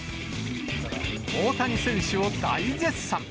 大谷選手を大絶賛。